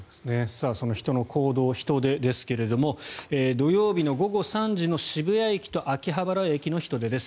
その人の行動人出ですが土曜日の午後３時の渋谷駅と秋葉原駅の人出です。